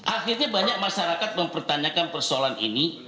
akhirnya banyak masyarakat mempertanyakan persoalan ini